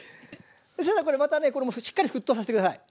そしたらこれまたねしっかり沸騰させて下さい。